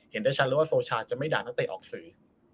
เห็นได้ชัดเลยว่าโซชาจะไม่ด่านักเตะออกสื่อ